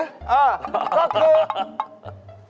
เออก็คือ